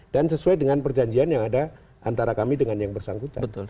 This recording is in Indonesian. dan sesuai dengan perjanjian yang ada antara kami dengan yang bersangkutan